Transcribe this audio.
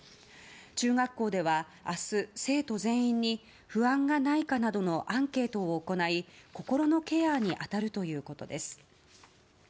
中学校では明日、生徒全員に不安がないかなどのアンケートを行い心のケアに当たるということです。